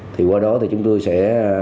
thì qua đó chúng tôi sẽ